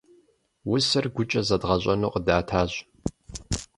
Усэр гукӏэ зэдгъэщӏэну къыдатащ.